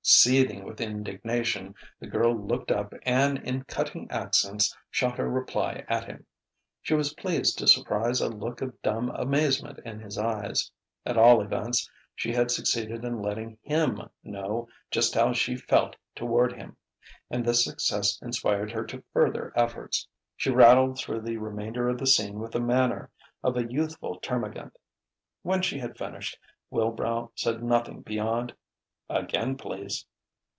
Seething with indignation, the girl looked up and in cutting accents shot her reply at him. She was pleased to surprise a look of dumb amazement in his eyes. At all events, she had succeeded in letting him know just how she felt toward him! And this success inspired her to further efforts. She rattled through the remainder of the scene with the manner of a youthful termagant. When she had finished, Wilbrow said nothing beyond: "Again, please."